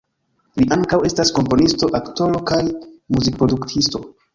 Li ankaŭ estas komponisto, aktoro kaj muzikproduktisto.